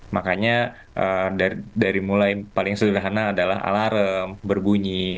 makanya dari mulai paling sederhana adalah alarm berbunyi